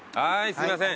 すいません。